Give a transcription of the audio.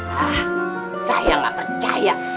hah saya gak percaya